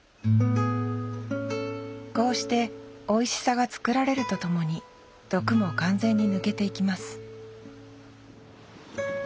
こうしておいしさが作られるとともに毒も完全に抜けていきます